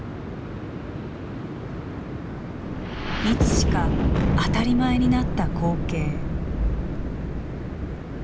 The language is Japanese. いつしか当たり前になった光景。